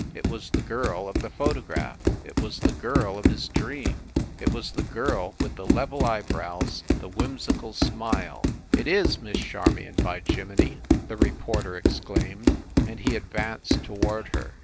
It was the girl of the photograph it was the girl of his dream it was the girl with the level eyebrows, the whimsical smile " It is Miss Charmion, by jimminy!" the reporter exclaimed, and he advanced toward her.